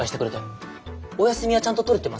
「お休みはちゃんと取れてますか？」